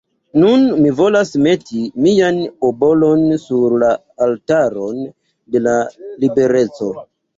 Nun mi volas meti mian obolon sur la altaron de la libereco.